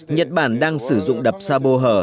nhật bản đang sử dụng đập sa bô hở